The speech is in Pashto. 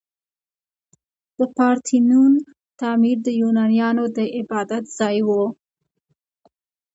د پارتینون تعمیر د یونانیانو د عبادت ځای و.